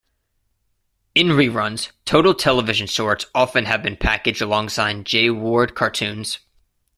In reruns, Total Television shorts often have been packaged alongside Jay Ward cartoons.